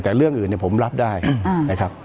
แต่เรื่องอื่นผมรับได้นะครับ